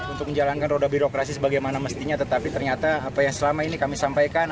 untuk menjalankan roda birokrasi sebagaimana mestinya tetapi ternyata apa yang selama ini kami sampaikan